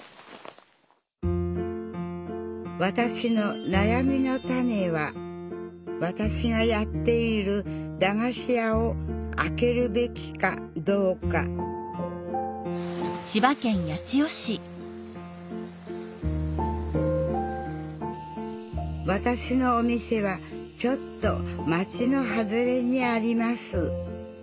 わたしのなやみのタネはわたしがやっているだがし屋をあけるべきかどうかわたしのお店はちょっと街の外れにあります。